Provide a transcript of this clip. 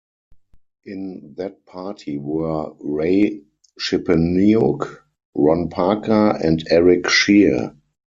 In that party were Ray Chipeniuk, Ron Parker, and Erik Sheer.